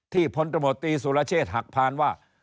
ที่พลตมติสุรเชษฐ์หักพรรณว่า